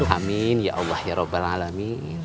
amin ya allah ya robbal alamin